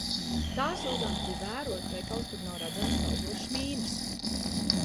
Tās uzdevums bija vērot, vai kaut kur nav redzamas peldošas mīnas.